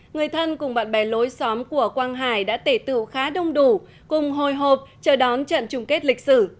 người thân cùng bạn bè lối xóm của quang hải đã tể tựu khá đông đủ cùng hồi hộp chờ đón trận chung kết lịch sử